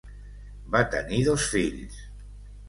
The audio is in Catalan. Va tenir dos fills: